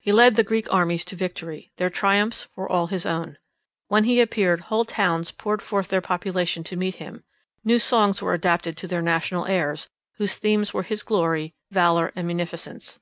He led the Greek armies to victory; their triumphs were all his own. When he appeared, whole towns poured forth their population to meet him; new songs were adapted to their national airs, whose themes were his glory, valour, and munificence.